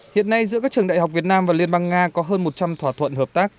hiện nay giữa các trường đại học việt nam và liên bang nga có hơn một trăm linh thỏa thuận hợp tác